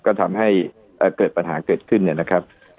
ก็ทำให้เกิดปัญหาเกิดขึ้นเนี่ยนะครับ